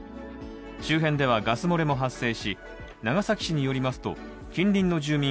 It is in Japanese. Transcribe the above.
周辺ではガス漏れも発生し、長崎市によりますと近隣の住民